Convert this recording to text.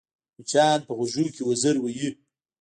مچان په غوږو کې وزر وهي